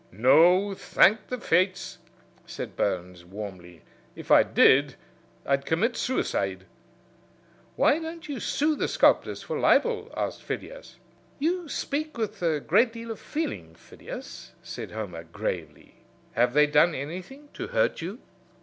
"No, thank the Fates!" said Burns, warmly. "If I did, I'd commit suicide." "Why don't you sue the sculptors for libel?" asked Phidias. "You speak with a great deal of feeling, Phidias," said Homer, gravely. "Have they done anything to hurt you?"